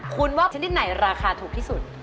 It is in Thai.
คุณว่าชนิดไหนราคาถูกที่สุด